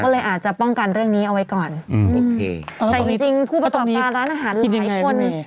แต่จริงผู้ประกอบปลาร้านอาหารหลายคน